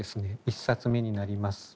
一冊目になります。